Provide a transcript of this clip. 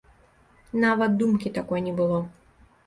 Нават думкі такой не было.